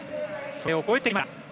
それを超えてきました。